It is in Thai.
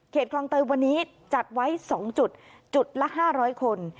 คลองเตยวันนี้จัดไว้๒จุดจุดละ๕๐๐คน